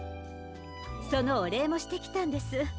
そのおれいもしてきたんです。